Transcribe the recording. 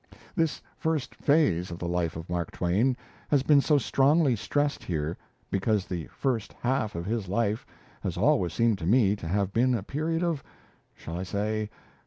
This first phase of the life of Mark Twain has been so strongly stressed here, because the first half of his life has always seemed to me to have been a period of shall I say?